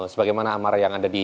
sebagaimana amarah yang ada di